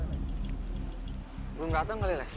belum datang kali ya lex